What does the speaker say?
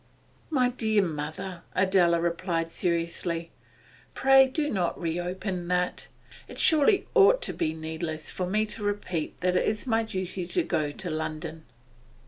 'My dear mother,' Adela replied seriously, 'pray do not reopen that. It surely ought to be needless for me to repeat that it is my duty to go to London.